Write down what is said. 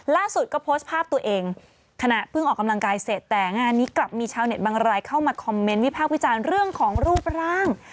ล่าสุดก็โพสต์ภาพตัวเองขณะเพิ่งออกกำลังกายเสร็จแต่งานนี้กลับมีชาวเน็ตบางรายเข้ามาคอมเมนต์วิพากษ์วิจารณ์เรื่องของรูปร่าง